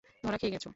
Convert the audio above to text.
ধরা খেয়ে গেছো।